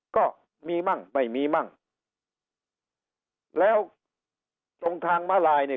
ก็มีมั่งไม่มีมั่งแล้วตรงทางมาลายเนี่ย